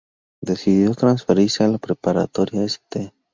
Decidió transferirse a la Preparatoria St.